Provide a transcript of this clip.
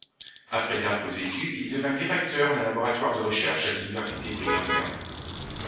Après d'âpres études, il devint directeur d’un laboratoire de recherche à l’université Brigham Young.